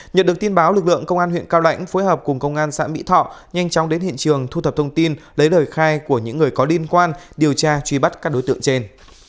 nhận được tin báo lực lượng công an huyện cao lãnh phối hợp cùng công an xã mỹ thọ nhanh chóng đến hiện trường thu thập thông tin lấy lời khai của những người có liên quan điều tra truy bắt các đối tượng trên